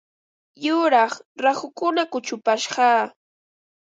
Yuraq rahukuna kuchupashqa.